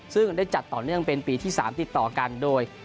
ซึ่งได้จัดต่อเนื่องเป็นปีที่๓ติดต่อกันโดย